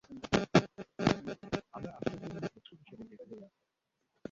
আমরা আশ্চর্যজনক বস্তু হিসেবে এগুলো দেখছি।